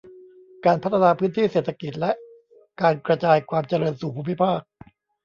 การพัฒนาพื้นที่เศรษฐกิจและการกระจายความเจริญสู่ภูมิภาค